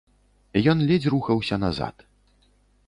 Ён ледзь рухаўся назад.